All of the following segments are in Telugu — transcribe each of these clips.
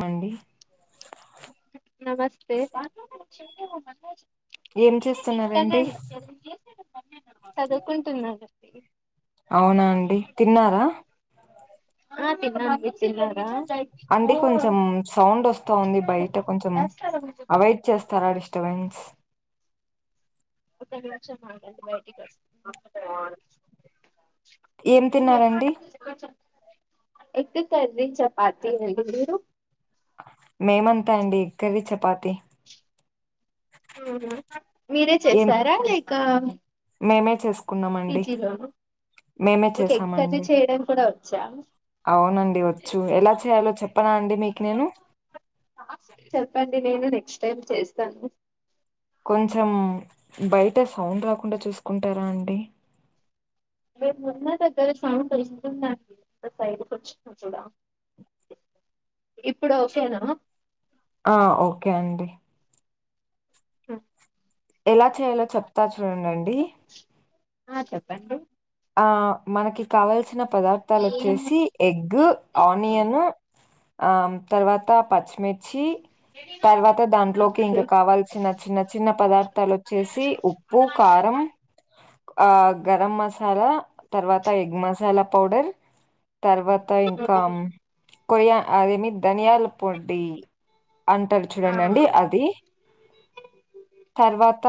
మండి నమస్తే ఏం చేస్తున్నారండి స్కన్డన్ చదువుకుంటున్నానండీ అవునా అండి తిన్నారా ఆ తిన్నాం మీరు తిన్నారా అండీ కొంచెం సౌండ్ వస్తఉంది బయట కొంచం అప్ వెయిట్ చేస్తారా డిస్టర్బెన్స్ [unintelligible] ఏం [unintelligible] తిన్నారండి ఎగ్ కర్రీ చపాతీ అండి మీరు మేమంతే అండి ఎగ్కర్రీ చపాతి ఉహు మీరే ఏం చేశారా లేక మేమే చేస్ పిజీలోను మీకు ఎగ్ చేసామండి కర్రీచేయడం కూడా వచ్చా అవునండి వచ్చు ఎలా చేయాలో చెప్పనా అండి మీకు నేను చెప్పండి నేను నెక్స్ట్ టైమ్ చేస్తాను కొంచెం బయట సౌండ్ రాకుండా చూసుకుంటారా అండి మేమున్న దగ్గర సౌండ్ వస్తుందండి ఎంత బయటకు వచ్చినా కూడా ఇప్పుడు ఓకేనా ఆ ఓకే అండి ఆ ఎలా చేయాలో చెప్తా చూడడండి ఆ చెప్పండి ఆ మనకి కావల్సిన పదార్థాలు వచ్చేసి ఎగ్ ఆనియన్ తర్వాత పచ్చిమిర్చి తర్వాత దాంట్లోకి ఓకే ఇంకా కావాల్సిన చిన్న చిన్న పదార్థాలు వచ్చేసి ఉప్పు ప్పు కారం ఆ గరం మసాలా తర్వాత ఎగ్ మసాలా పౌడర్ తర్వాతా ఇంకా కొరియా అదేమి ధనియాల పొడి అంటారు ఆ చూడడండి అది తర్వాత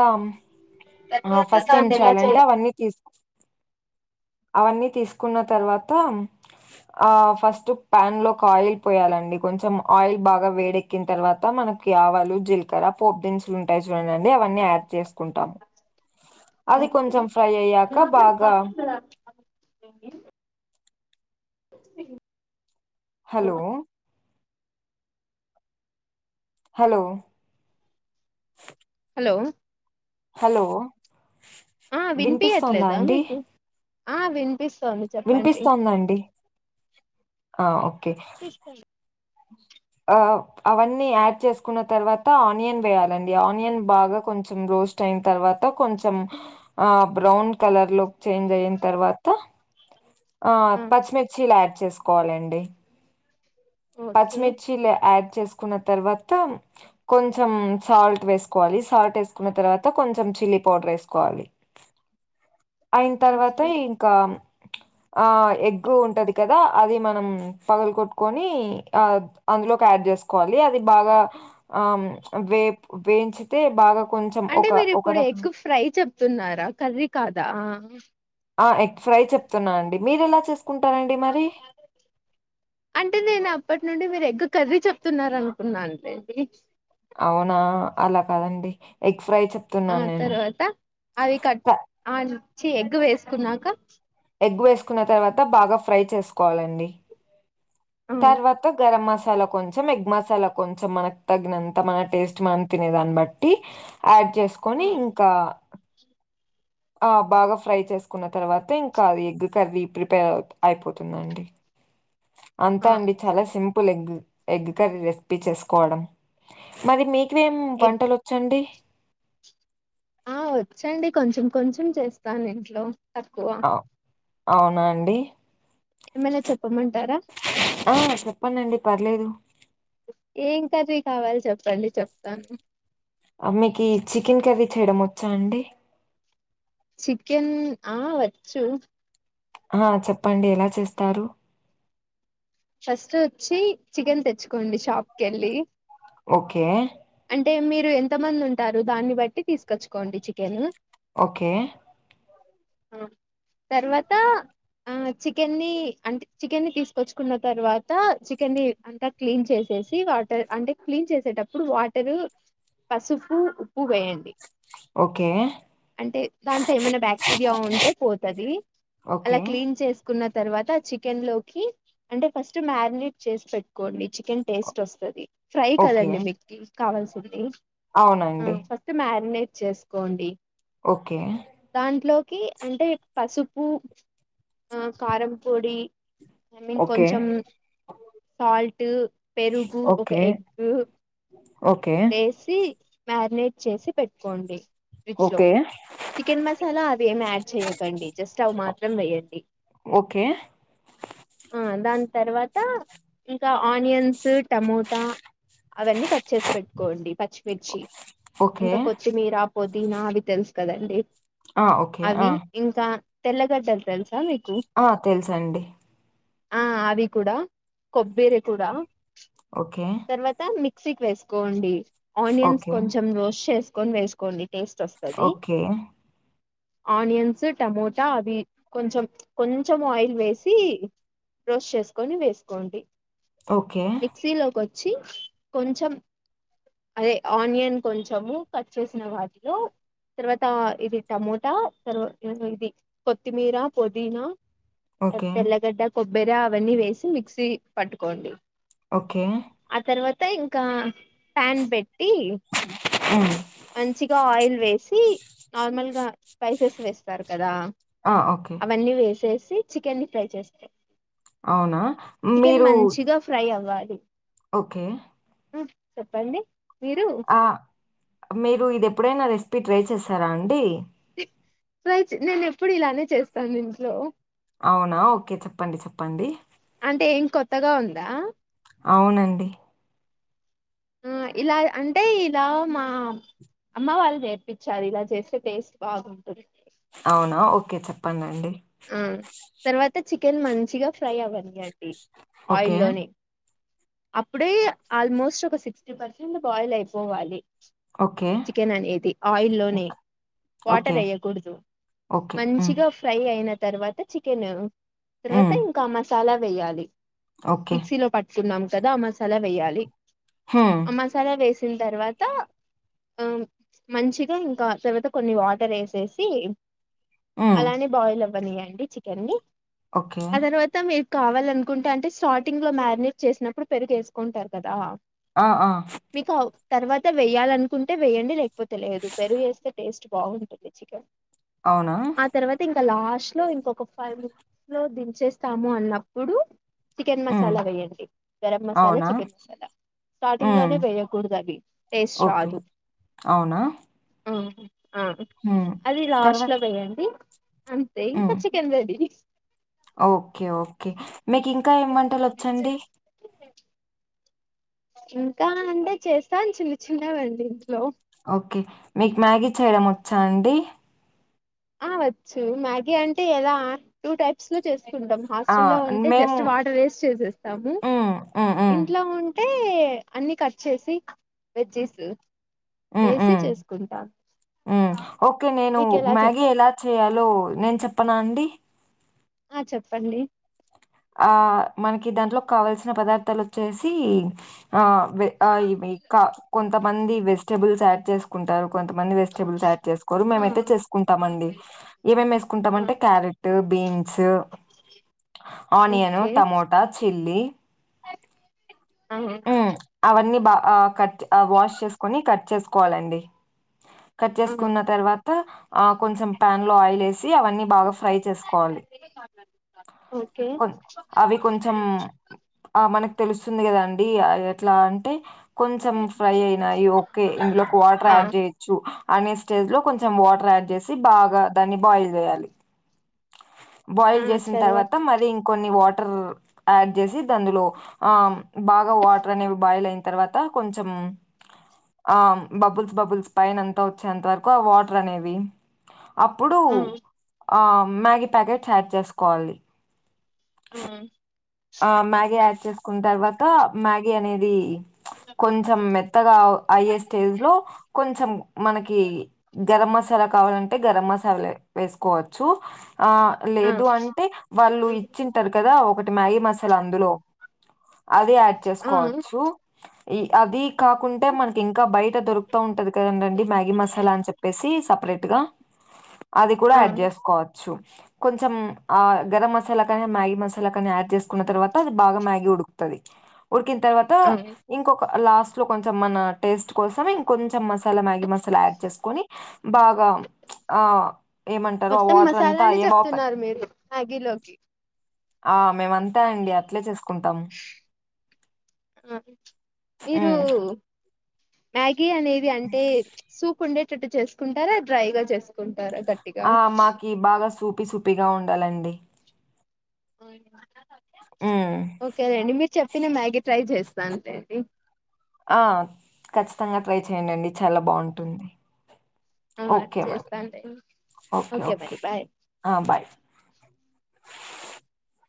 తర్వాత ఫస్ట్ ఏం దాన్ని ఎలా చేయాలంటే చేయాలి అవన్నీ తీసుకు అవన్నీ తీసుకున్న తర్వాత ఆ ఫస్ట్ ప్యాన్ లో ఒక ఆయిల్ పోయాలండి కొంచెం ఆయిల్ బాగా వేడే క్కిన తర్వాత మనకి ఆవలు జీలకర్ర పోపు దినుసులు ఉంటాయి చూడండి అవన్నీ యాడ్ చేసుకుంటాము అది ఓకే కొంచెం ఫ్రై అయ్యాక బాగా హలో హలో హలో హలో ఆ వినిపిస్తోందా వినిపియ్యట్లేదా అండి మీకు చెప్పండి వినిపిస్తాంది అండి ఆ ఓకే ఇస్తాను అవన్నీ యాడ్ చేసుకున్న తర్వాత ఆనియన్ వేయాలండి ఆనియన్ బాగా కొంచెం రోస్ట్ అయిన తర్వాత కొంచెం ఆ బ్రౌన్ కలర్ లోకి చేంజ్ అయిన తర్వాత ఆ పచ్చిమిర్చిలు యాడ్ చేసుకోవాలండి ఓకే పచ్చిమిర్చిలు యాడ్ చేసుకున్న తర్వాత కొంచెం సాల్ట్ వేసుకోవాలి సాల్ట్ వేసుకున్న తర్వాత కొంచెం చిల్లీ పౌడర్ యేసుకోవాలి అయిన తర్వాత ఓకే ఇ ఇంకా ఆ ఎగ్ ఉంటాది కదా అది మనం పగలగొట్టు కోని ఆ అందులోకు యాడ్ చేసుకోవాలి అది బాగా ఆమ్ వేపు వేయించితే బాగా కొంచెం అంటే ఒక మీరు ఒక ఇప్పుడు రకం ఎగ్ ఫ్రై [unintelligible] చెత్తున్నారా కర్రీ కాదా ఆ ఎగ్ ఫ్రై చెప్తున్నానండి మీరు ఎలా చేసుకుంటారండి మరి అంటే నేను అప్పటి నుండి మీరు ఎగ్గు కర్రీ చెప్తున్నారు అనుకున్నా అండి అది అవునా అలా కాదండి ఎగ్ ఫ్రై చెప్ ఆ తర్వాత అవి కట్ ఆ ఛీ ఎగ్ వేసుకున్నాక ఎగ్ వేసుకున్న తర్వాత బాగా ఫ్రై చేసుకోవాలండి ఆ తర్వాత గరం మసాలా కొంచెం ఎగ్ మసాలా కొంచెం మనకు తగినంత మన టేస్ట్ మనం తినే దాన్ని బట్టి బట్టి యాడ్ ఆ చేసుకొని ఇంకా ఆ బాగా ఫ్రై చేసుకున్న తర్వాత ఇంకా ఎగ్ కర్రీ ప్రిపేర్ అయిపోతుందండి అంతే ఆ! అండి చాలా సరే simple egg egg curry recipe చేసుకోవడం మరి మీకు ఏం ఎగ్ వంటలు వచ్చండి ఆ వచ్చండి కొంచెం కొంచెం చేస్తాను ఇంట్లో తక్కువ అవునా అండి ఏమైనా చెప్పమంటారా ఆ చెప్పండి అండి పర్లేదు ఏం కర్రీ కావాలి చెప్పండి చెప్తాను ఆ మీకి చికెన్ కర్రీ చేయడం వచ్చా అండి చికెన్ ఆ వచ్చు హ చెప్పండి ఎలా చేస్తారు ఫస్ట్ వచ్చి చికెన్ తెచ్చుకోండి షాప్ కి యేళ్ళి ఓకే అంటే మీరు ఎంత మంది ఉంటారు దాన్ని బట్టి తీసుకొచ్చుకోండి చికెను ఓకే తర్వాత ఆ చికెన్ని అంటే చికెన్ని తీసుకొచ్చుకున్న తర్వాత చికెన్ని అంతా క్లీన్ చేసేసి వాటర్ అంటే క్లీన్ చేసేటప్పుడు వాటరు పసుపు ఉప్పు వేయండి ఓకే. అంటే దాంట్లో ఏమన్నా బ్యా బ్యాక్టీరియా ఉంటే పోతాది అలా ఓకే. క్లీన్ చేసుకున్న తర్వాత చికెన్ లోకి అంటే ఫస్ట్ మ్యారినేట్ చేసి పెట్టుకోండి చికెన్ టేస్ట్ వస్తది ఫ్రై ఓకే. కదండి మీకీ కావాల్సింది అవునండి తే మ్యారినేట్ చేసుకోండి ఓకే దాంట్లోకి అంటే పసుపు ఆ కారం పొడి ఐ మీన్ ఓకే. కొంచం సాల్ట్ పెరుగు ఒక ఓకే. Egg okay. వేసి మ్యారినేట్ చేసి పెట్టుకోండి ఫ్రిజ్ లో ఓకే. చికెన్ మసాలా ఏం యాడ్ చేయకండి జస్ట్ అవి మాత్రం వేయండి ఓకే. ఆ దాని తర్వాత ఇంకా ఆనియన్స్ టమోటా అవన్నీ కట్ చేసి పెట్టుకోండి పచ్చిమిర్చి ఓకే. ఇంకా కొత్తి మీరా పోదీనా అవి తెలుసు కదండి ఆ! ఓకే. ఆ! అవి ఇంకా తెల్లగడ్డలు తెలుసా మీకు ఆ తెలుసండి ఆ ఆవి కూడా కొబ్బేర కూడా ఓకే తర్వాత మిక్సీ కి వేసుకోండి ఆనియన్స్ ఓకే. కొంచెం రోస్ట్ చేసుకొని వేసుకోండి టేస్ట్ వస్త ఓకే ఆనియన్స్ టమోటా అవి కొంచెం కొంచెం ఆయిల్ వేసి రోస్ట్ చేసుకొని వేసుకోండి ఓకే. మిక్సీలోకి వచ్చి కొంచెం అదే ఆనియన్ కొంచెము కట్ చేసిన వాటిలో తర్వాత ఇది టమోటా తర్వా ఇది కొత్తిమీర పుదీనా ఆ ఓకే. తెల్లగడ్డ కొబ్బెరా అవన్నీ వేసి మిక్సీ పట్టుకోండి ఓకే ఆ తర్వాత ఇంకా ఫ్యాన్ పెట్టి ఆ మంచిగా ఆయిల్ వేసి నార్మల్గా స్పైసెస్ వేస్తారు కదా ఆ ఓకే అన్ని వేసేసి చికెన్ ని ఫ్రై చేసుకో అవునా? చికెన్ మీరు మంచిగా ఫ్రై అవ్వాలి ఓకే ఉం చెప్పండి మీరు ఆ మీరు ఇది ఎప్పుడైనా రెసిపీ ట్రై చేశారా అండి రై నేను ఎప్పుడు ఇలానే చేస్తాను ఇంట్లో అవునా ఓకే చెప్పండి చెప్పండి అంటే ఏం కొత్తగా ఉందా అవునండి ఉం ఇలా అంటే ఇలా మా అమ్మ వాళ్ళు నేర్పించారు ఇలా చేస్తే టేస్ట్ బాగుంటుంది అవునా ఓకే చెప్పండి అండి ఆ తర్వాత చికెన్ మంచిగా ఫ్రై అవ్వనీయండి ఓకే. ఆయిల్లోనే అప్పుడే ఆల్మోస్ట్ ఒక సిక్స్టీపర్సెంట్ బాయిల్ అయిపోవాలి ఓకే. చికెన్ అనేది ఆయిల్లోనే ఓక్ ఓకే. వాటర్ వేయ్యకూడదు ఓకే. హ్మ్. మంచిగా ఫ్రై అయిన తర్వాత చికెన్ తర్వాత హ్మ్. ఇంకా మసాలా వేయాలి ఓకే. మిక్సీలో పట్టుకున్నాం కదా ఆ మసాలా వేయాలి హమ్ హా మసాలా వేసిన తర్వాత ఆ మంచిగా ఇంకా తర్వాత కొన్ని వాటర్ వేసేసి హ్మ్. అలానే బాయిల్ అవ్వ నీయండి చికెన్ ని ఓకే. ఆ తర్వాత అంతకు మీరు కావాలనుకుంటే అంటే స్టార్టింగ్ లో మ్యారినేట్ చేసినప్పుడు పెరుగు వేసుకుంటారుకదా ఆ ఆ మీకు తర్వాత వేయాలనుకుంటే వెయ్యండి లేకపోతే లేదు పెరుగు వేస్తే టేస్ట్ బాగుంటుంది రుచిగా అవునా తర్వాత ఇంకా లాస్ట్ లో ఇంకొ ఫైవ్ మినిట్స్ లో దించేస్తాము అన్నప్పుడు చికెన్ హ్మ్. మసాలా వేయండి గరం మసాలా అవునా? చికెన్ మసాలా స్టార్టింగ్ లోనే హ్మ్. వేయకూడదు అవి టేస్ట్ ఓకే. రాదు అవునా ఆమ్ ఆ హ్మ్. అది లాస్ట్ తర్వాత లో వెయ్యండి ఇది ఇంకా హ్మ్. చికెన్ రెడీ ఓకే ఓకే మీకు ఇంకా ఏం వంటలు వచ్చండి ఇంకా అంటే చేస్తాను చిన్న చిన్నవండి ఇంట్లో ఓకే మీకు మ్యాగీ చేయడం వచ్చా అండి ఆ వచ్చు మ్యాగీ అంటే ఎలా టూ టైప్స్ లో చేసుకుంటాం ఆ! హాస్టల్లో ఉంటే మేము జస్ట్ వాటర్ వేసిచేసేస్తాము హ్మ్. హ్మ్. హ్మ్. ఇంట్లో ఉన్ అంటే అన్ని కట్ చేసి వెజ్జెస్ వేసి చేసుకుంటాను ఆమ్ ఓకే నేను చెప్ప మ్యాగీ ఎలా చేయాలో నేను చెప్పనా అండి ఆ చెప్పండి ఆ మనకి దాంట్లో కావాల్సిన పదార్థాలు వచ్చేసి ఆ ఇవి ఆ ఇకా కొంతమంది వెజిటబుల్స్ యాడ్ చేసుకుంటారు కొంతమంది వెజిటేబుల్స్ యాడ్ చేసుకోరు ఆ మేమైతే చేసుకుంటామండి ఏమేమి ఆ వేసుకుంటామంటే carrot beans onion okay tomato chilli ఆ ఉమ్ అవన్నీ బాగా కట్ వాష్ చేసుకని కట్ చేసుకోవాలండి కట్ ఆ చేసుకున్న తర్వాత ఆ కొంచెం ప్యాన్ లో ఆయిల్ వేసి అవన్నీ బాగా ఫ్రై చేసుకోవాలి ఓకే కొన్ని అవి కొంచెం ఆ మనకు తెలుస్తుంది కదండి ఎట్లా అంటే కొంచెం ఫ్రై అయినాయి ఓకే ఇందులోకి వాటర్ ఆ యాడ్ చేసి చు అనే స్టేజ్ లో కొంచెం వాటర్ యాడ్ చేసి బాగా దాన్ని బాయిల్ చేయాలి బాయిల్ చేసిన తర్వాత మరి ఇంకొన్ని వాటర్ యాడ్ చేసి దానిలో ఆ బాగా వాటర్ అనేవి బాయిల్ అయిన తర్వాత కొంచం ఆ బబుల్స్ బబుల్స్ పైన అంతా వచ్చేంత వరకు వాటర్ అనేవి అప్పుడు ఆ ఆ మ్యాగీ ప్యాకెట్స్ యాడ్ చేసుకోవాలి హమ్ ఆ మ్యాగీ యాడ్ చేసుకున్న తర్వాత మ్యాగీ అనేది కొంచెం మెత్తగా అయ్యే స్టేజ్ లో కొంచెం మనకి గరం మసాలా కావాలంటే గరం మసాలా వేసుకోవచ్చు ఆ ఆ లేదు అంటే వాళ్లు ఇచ్చి ఉంటారు కదా ఒకటి మ్యాగీ మసాలా అందులో అది యాడ్ ఆ చేసుకోవచ్చు ఈ అది కాకుంటే మనకి ఇంకా బయట దొరుకుతా ఉంటాది కదా కదండండి మ్యాగీ మసాలా అన్ చెప్పేసి సపరేట్ గా అది కూడా ఆ యాడ్ చేసుకోవచ్చు కొంచెం ఆ గరం మసాలా కానీ మ్యాగీ మసాలా కానీ యాడ్ చేసుకున్న తర్వాత అది బాగా మ్యాగీ ఉడుకుతది ఉడికిన్ తర్వాత ఆ ఇంకొక లాస్ట్లో కొంచెం మన టేస్ట్ కోసం ఇంకొంచెం మసాలా మ్యాగీ మసాలా యాడ్ చేసుకొని బాగా ఆ ఏమంటరు ఆ వాటర్ అంతా అ ఎమాప మ్యాగీ లోక్ అ మేమంతే అండి అట్లే చేసు కుంటం ఆ మీరు హ్మ్ మ్యాగీ అనేది అంటే సూపు ఉండేటట్టు చేసుకుంటారా డ్రై గా చేస్ కుంటారా గట్టిగా ఈ బాగా సూపి సూపిగా ఉండాలండి ఉమ్ ఓకే లెండి మీరు చెప్పిన మ్యాగీ ట్రై చేస్తాన్లేండి ఆ ఖచ్చితంగా ట్రై చేయండండి చాలా బావుంటుంది ఆ ఓకే మరి చేస్తాను లేండి ఓకే ఓకే మరి బాయ్ అ బాయ్